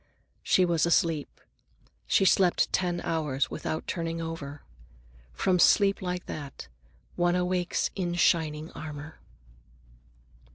She was asleep. She slept ten hours without turning over. From sleep like that, one awakes in shining armor.